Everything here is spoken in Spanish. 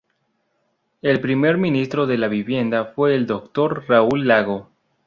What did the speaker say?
El primer Ministro de Vivienda fue el Dr. Raúl Lago.